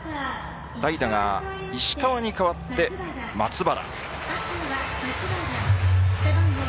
代打、石川に代わって松原。